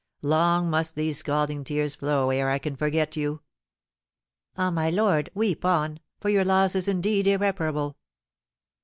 Long must these scalding tears flow ere I can forget you!" "Ah, my lord, weep on, for your loss is indeed irreparable!"